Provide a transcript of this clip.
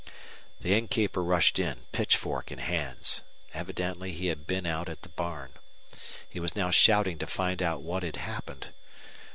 The innkeeper rushed in, pitchfork in hands. Evidently he had been out at the barn. He was now shouting to find out what had happened.